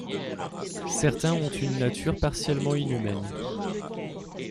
Certains ont une nature partiellement inhumaine.